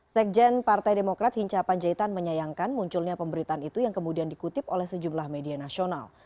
sekjen partai demokrat hinca panjaitan menyayangkan munculnya pemberitaan itu yang kemudian dikutip oleh sejumlah media nasional